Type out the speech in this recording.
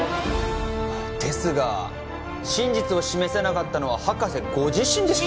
ですが真実を示せなかったのは博士ご自身ですよ